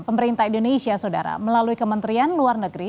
pemerintah indonesia saudara melalui kementerian luar negeri